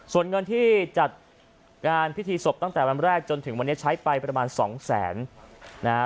ส่วนเงินที่จัดงานพิธีศพตั้งแต่วันแรกจนถึงวันนี้ใช้ไปประมาณสองแสนนะฮะ